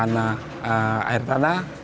ada yang lewat air tanah